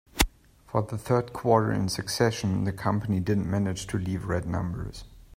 For the third quarter in succession, the company didn't manage to leave red numbers.